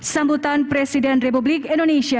sambutan presiden republik indonesia